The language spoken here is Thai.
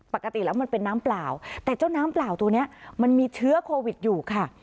ปกติแล้วมันเป็นน้ำเปล่าแต่เจ้าน้ำเปล่าตัวนี้มันมีเชื้อโควิดอยู่ค่ะ